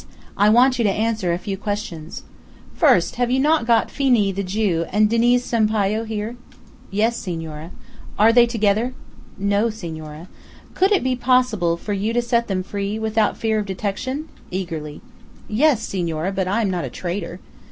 I want you to answer a few questions. First, have you not got Phenee, the Jew, and Diniz Sampayo here?" "Yes, senora." "Are they together?" "No, senora." "Could it be possible for you to set them free, without fear of detection?" eagerly. "Yes, senora; but I am not a traitor."